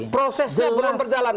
prosesnya belum berjalan